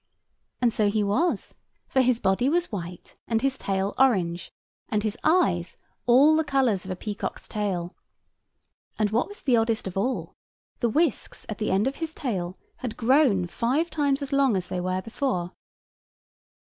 And so he was; for his body was white, and his tail orange, and his eyes all the colours of a peacock's tail. And what was the oddest of all, the whisks at the end of his tail had grown five times as long as they were before.